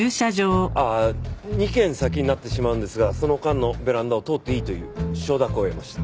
ああ２軒先になってしまうんですがその間のベランダを通っていいという承諾を得ました。